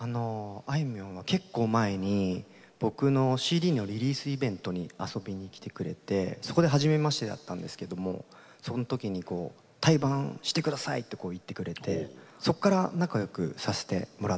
あいみょんは結構前に僕のＣＤのリリースイベントに遊びに来てくれてそこではじめましてだったんですけどもその時に対バンして下さいって言ってくれてそこから仲よくさせてもらってます。